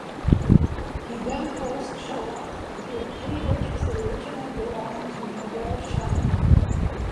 He then forced Shahrokh to give any riches that originally belonged to Nader Shah.